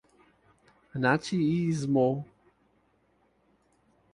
naciismo